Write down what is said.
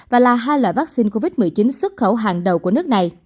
và là hai loại vaccine covid một mươi chín xuất khẩu